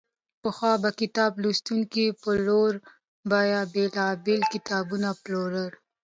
پخوا به کتاب لوستونکو په لوړه بیه بېلابېل کتابونه پېرل.